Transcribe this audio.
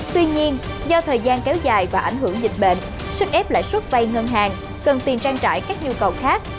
tuy nhiên do thời gian kéo dài và ảnh hưởng dịch bệnh sức ép lại suốt vây ngân hàng cần tiền trang trải các nhu cầu khác